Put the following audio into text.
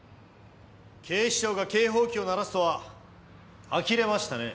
警視庁が警報機を鳴らすとは呆れましたね。